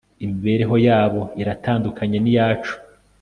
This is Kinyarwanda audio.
imibereho yabo iratandukanye niyacu